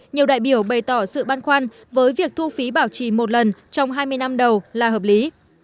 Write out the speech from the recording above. nhiều đại biểu bày tỏ sự băn khoăn với việc thu phí bảo trì một lần trong hai mươi năm đầu là hợp lý